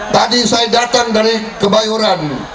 tadi saya datang dari kebayoran